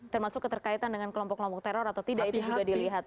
termasuk keterkaitan dengan kelompok kelompok teror atau tidak itu juga dilihat